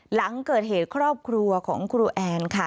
หลังเกิดเหตุครอบครัวของครูแอนค่ะ